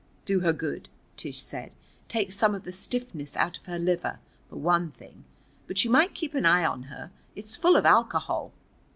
"Do her good," Tish said. "Take some of the stiffness out of her liver, for one thing. But you might keep an eye on her. It's full of alcohol."